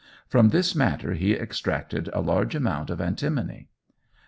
From this matter he extracted a large amount of antimony.